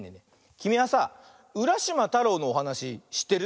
きみはさ「うらしまたろう」のおはなししってる？